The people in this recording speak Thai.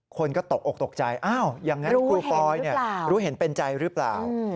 คนก็ตกออกตกใจอ้าวอย่างนั้นครูปอยรู้เห็นเป็นใจหรือเปล่า